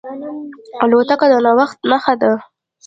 الوتکه د نوښت نښه ده.